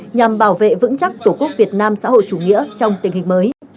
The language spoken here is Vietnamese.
nhằm bảo vệ vững chắc tổ quốc việt nam xã hội chủ nghĩa trong tình hình mới